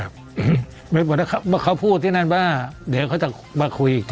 ครับไม่หมดแล้วครับเพราะเขาพูดที่นั่นว่าเดี๋ยวเขาจะมาคุยอีกที